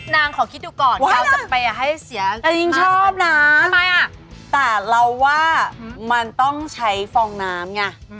นางขอคิดดูก่อนเราจะไปอย่าให้เสียแต่จริงชอบนะทำไมอ่ะแต่เราว่ามันต้องใช้ฟองน้ำไง